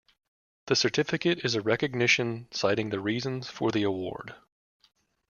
The certificate is a recognition citing the reasons for the award.